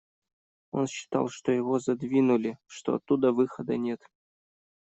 Он считал, что его задвинули, что оттуда выхода нет